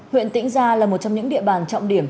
huyện tĩnh gia là một trong những địa bàn trọng điểm